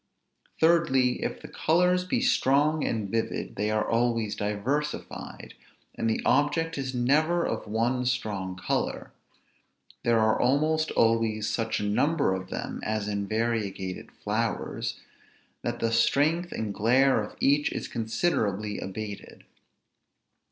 Thirdly, if the colors be strong and vivid, they are always diversified, and the object is never of one strong color; there are almost always such a number of them (as in variegated flowers) that the strength and glare of each is considerably abated.